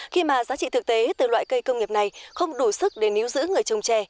khi mà giá trị thực tế từ loại cây công nghiệp này không đủ sức để níu giữ người trồng trè